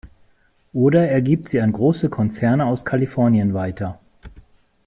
Oder er gibt sie an große Konzerne aus Kalifornien weiter.